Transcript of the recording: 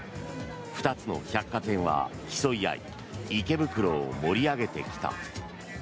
２つの百貨店は競い合い池袋を盛り上げてきた。